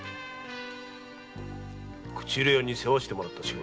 口入れ屋に世話してもらった仕事？